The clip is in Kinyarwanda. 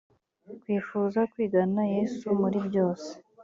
twifuza kwigana yesu muri byose